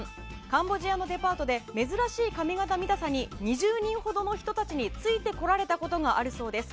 カンボジアのデパートで珍しい髪形見たさに２０人ほどの人たちについてこられたことがあるそうです。